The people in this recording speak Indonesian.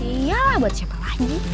iya lah buat siapa lagi